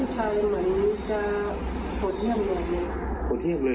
ผู้ชายเหมือนจะหโผทเที่ยมแบบนี้